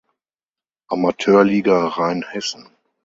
Amateurliga Rheinhessen.